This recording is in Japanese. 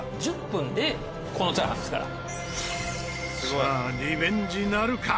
さあリベンジなるか？